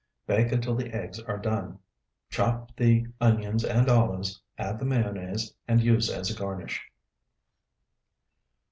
Bake until the eggs are done. Chop the onions and olives, add the mayonnaise, and use as a garnish.